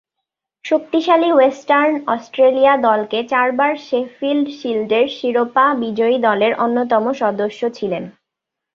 শক্তিশালী western Australia দলকে চারবার শেফিল্ড শিল্ডের শিরোপা বিজয়ী দলের অন্যতম সদস্য ছিলেন।